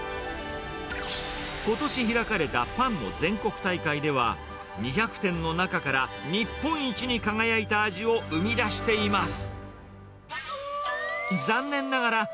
ことし開かれたパンの全国大会では、２００点の中から日本一に輝いた味を生み出しています。